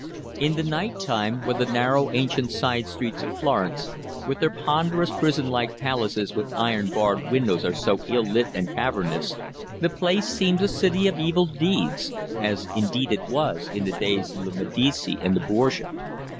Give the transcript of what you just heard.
In the night time when the narrow ancient side streets of Florence, with their ponderous prison like palaces with iron barred windows are so ill lit and cavernous, the place seems a city of evil deeds, as indeed it was in the days of the Medici and of the Borgias.